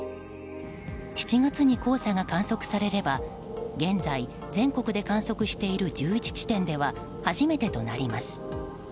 ７月に黄砂が観測されれば現在、全国で観測している１１地点では初めてとなります。